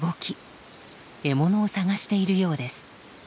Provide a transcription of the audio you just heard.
獲物を探しているようです。